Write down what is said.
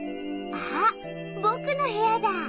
あっ僕の部屋だ！